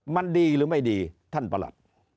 มันดีหรือไม่ดีท่านประหลัด